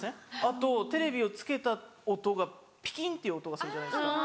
あとテレビをつけた音がピキンっていう音がするじゃないですか。